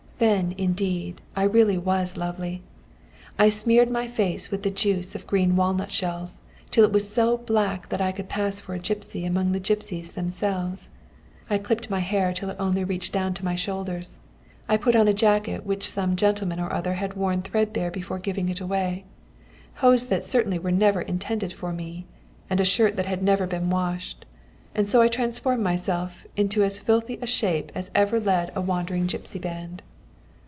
Then, indeed, I really was lovely! I smeared my face with the juice of green walnut shells till it was so black that I could pass for a gipsy among the gipsies themselves; I clipped my hair till it only reached down to my shoulders; I put on a jacket which some gentleman or other had worn threadbare before giving it away; hose that certainly were never intended for me, and a shirt that had never been washed: and so I transformed myself into as filthy a shape as ever led a wandering gipsy band."